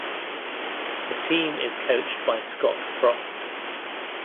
The team is coached by Scott Frost.